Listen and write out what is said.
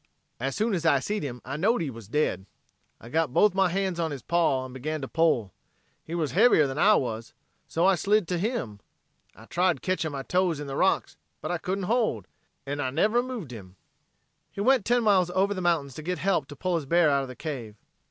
"As soon as I seed him I knowed he wuz dead. I got both hands on his paw and began to pull. He wuz heavier than I wuz, so I slid to him. I tried ketchin' my toes in the rocks, but I couldn't hold, en I never moved him." He went ten miles over the mountains to get help to pull his bear out of the cave.